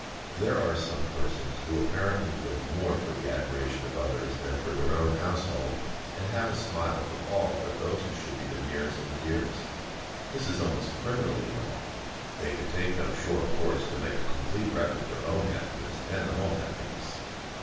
There are some persons who apparently live more for the admiration of others than for their own household, and have a smile for all but those who should be the nearest and dearest. This is almost criminally wrong; they could take no surer course to make a complete wreck of their own happiness and the home happiness.